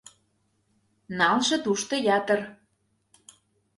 Налше тушто ятыр.